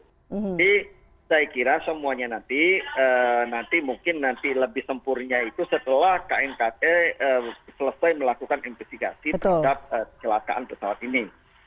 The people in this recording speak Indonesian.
jadi saya kira semuanya nanti mungkin nanti lebih sempurnya itu setelah knkt selesai melakukan investigasi terhadap kecelakaan pesawat ini